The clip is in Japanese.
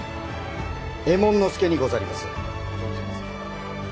右衛門佐にござります。